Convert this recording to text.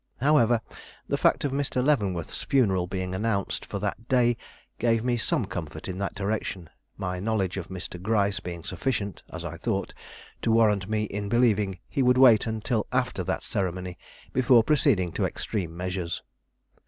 However, the fact of Mr. Leavenworth's funeral being announced for that day gave me some comfort in that direction; my knowledge of Mr. Gryce being sufficient, as I thought, to warrant me in believing he would wait till after that ceremony before proceeding to extreme measures.